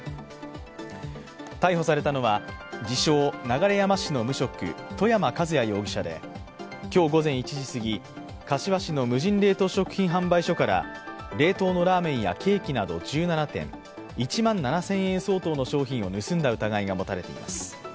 逮捕されたのは、自称・流山市の無職、外山和也容疑者で今日午前１時すぎ柏市の無人冷凍食品販売所から冷凍のラーメンやケーキなど１７点、１万７０００円相当の商品を盗んだ疑いが持たれています。